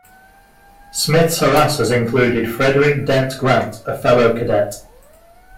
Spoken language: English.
Smith's harassers included Frederick Dent Grant, a fellow cadet.